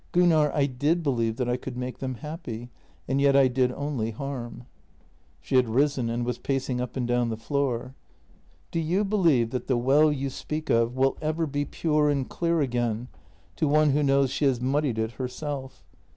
Gunnar, I did believe that I could make them happy — and yet I did only harm." She had risen and was pacing up and down the floor. " Do you believe that the well you speak of will ever be pure and clear again to one who knows she has muddied it herself?